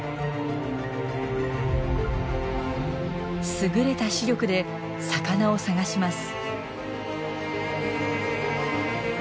優れた視力で魚を探します。